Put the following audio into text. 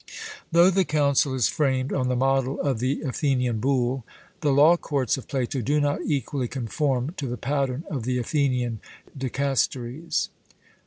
Though the council is framed on the model of the Athenian Boule, the law courts of Plato do not equally conform to the pattern of the Athenian dicasteries.